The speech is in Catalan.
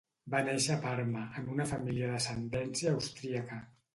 Va néixer a Parma, en una família d'ascendència austríaca.